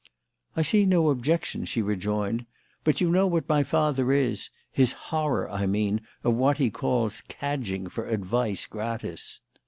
"I see no objection," she rejoined; "but you know what my father is: his horror, I mean, of what he calls 'cadging for advice gratis.'"